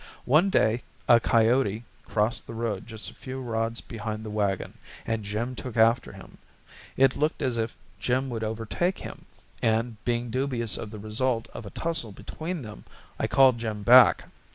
One day a coyote crossed the road just a few rods behind the wagon, and Jim took after him. It looked as if Jim would overtake him, and, being dubious of the result of a tussle between them, I called Jim back.